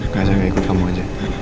gak saya gak ikut kamu aja